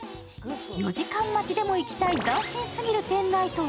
４時間待ちでも行きたい斬新すぎる店内とは？